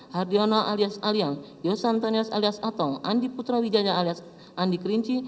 hardiono alias alyang yosantanius alias atong andi prateran wijaya alias andi kerinci